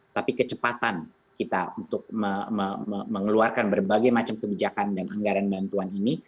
tapi kecepatan kita untuk mengeluarkan berbagai macam kebijakan dan anggaran bantuan ini